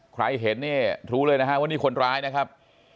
ใครเห็นเนี่ยรู้เลยนะฮะว่านี่คนร้ายนะครับ